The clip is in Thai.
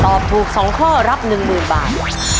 ตอบถูก๒ข้อรับ๑๐๐๐บาท